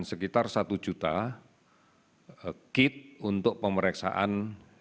sekitar satu juta kit untuk pemeriksaan